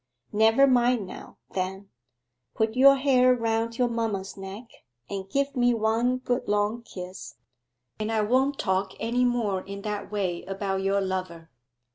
'Never mind now, then. Put your hair round your mamma's neck, and give me one good long kiss, and I won't talk any more in that way about your lover.